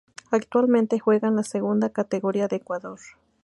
Actualmente juega en la Segunda Categoría de Ecuador.